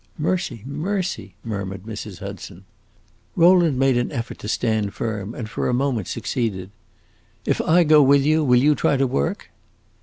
"Mercy, mercy!" murmured Mrs. Hudson. Rowland made an effort to stand firm, and for a moment succeeded. "If I go with you, will you try to work?"